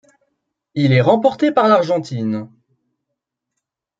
Il est remporté par l'Argentine.